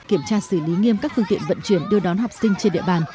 kiểm tra xử lý nghiêm các phương tiện vận chuyển đưa đón học sinh trên địa bàn